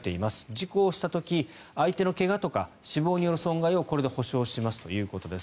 事故をした時相手の怪我とか死亡による損害をこれで補償しますということです。